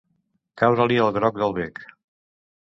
Caure-li el groc del bec.